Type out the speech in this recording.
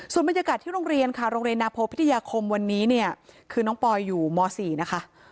ส่วนบรรยากาศที่โรงเรียนค่ะโรงเรียนนาโพพิทยาคมวันนี้เนี่ยคือน้องปอยอยู่ม๔นะคะ